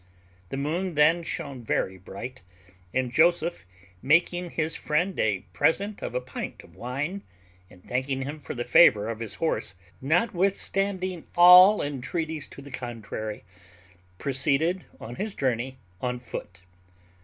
The moon then shone very bright; and Joseph, making his friend a present of a pint of wine, and thanking him for the favour of his horse, notwithstanding all entreaties to the contrary, proceeded on his journey on foot.